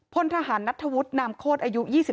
พลทหารนัทธวุฒินามโคตรอายุ๒๓